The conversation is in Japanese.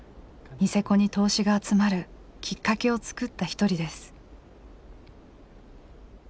ニセコに投資が集まるきっかけを作った一人です。